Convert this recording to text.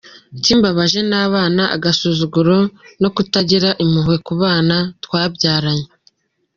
"Ikimbabaje ni abana, agasuzuguro no kutagira impuhwe ku bana twabyaranye.